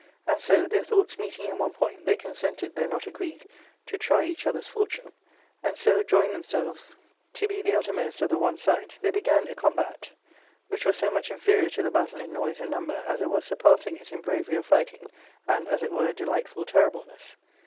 And so, their thoughts meeting in one point, they consented, though not agreed, to try each other's fortune ; and so, drawing themselves to be the uttermost of the one side, they began a combat which was so much inferior to the battle in noise and number as it was surpassing it in bravery of fighting and, as it were, delightful terribleness.